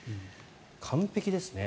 完璧ですね。